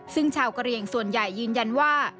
ซึ่งชาวกะเรียงส่วนใหญ่ยืนยันว่า